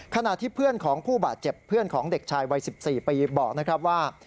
ขณะที่เพื่อนของผู้บาดเจ็บเพื่อนของเด็กชายวัย๑๔ปีบอกนะครับว่า